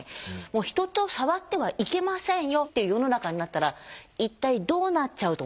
もう人と触ってはいけませんよっていう世の中になったら一体どうなっちゃうと思いますか？